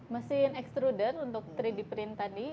mesin extruder untuk tiga d print tadi